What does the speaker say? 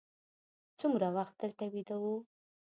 څومره وخت دلته ویده وو.